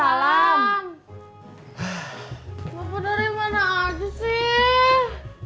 bapak barusan habis meleraikan tisna sama pur branteng